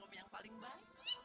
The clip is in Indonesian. kamu yang paling baik